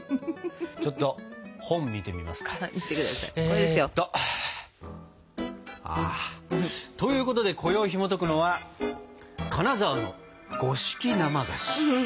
ちょっと本見てみますか。ということでこよいひもとくのは「金沢の五色生菓子」。